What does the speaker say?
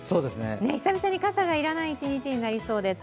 久々に傘がいらない一日になりそうです。